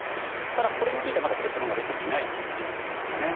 ただ、これについてはまだ結論が出ていないということです。